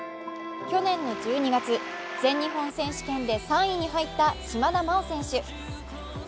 去年の１２月、全日本選手権で３位に入った島田麻央選手。